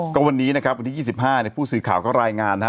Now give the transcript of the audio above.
ก็วันนี้นะครับวันที่๒๕ภูมิสือข่าวก็รายงานนะฮะ